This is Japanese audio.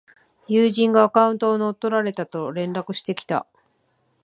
友人がアカウントを乗っ取られたと連絡してきた